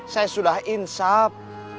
saya sudah insap